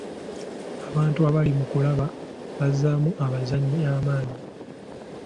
Abantu abali mu kulaba bazzaamu abazannyi amaanyi.